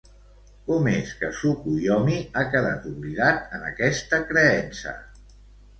Com és que Tsukuyomi ha quedat oblidat, en aquesta creença?